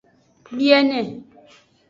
Biene.